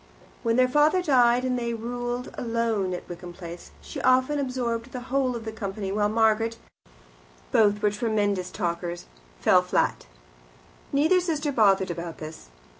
When their father died and they ruled alone at Wickham Place, she often absorbed the whole of the company, while Margaret both were tremendous talkers fell flat. Neither sister bothered about this.